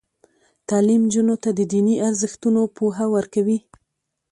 تعلیم نجونو ته د دیني ارزښتونو پوهه ورکوي.